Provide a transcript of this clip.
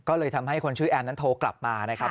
ก็เลยทำให้คนชื่อแอมนั้นโทรกลับมานะครับ